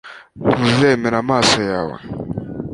Ntuzemera amaso yawe